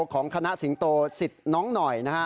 ของคณะสิงโตสิทธิ์น้องหน่อยนะฮะ